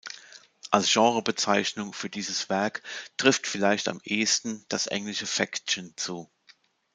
Als Genrebezeichnung für dieses Werk trifft vielleicht am ehesten das englische Faction zu.